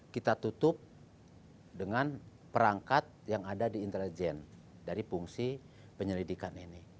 kita tutup dengan perangkat yang ada di intelijen dari fungsi penyelidikan ini